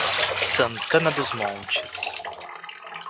Santana dos Montes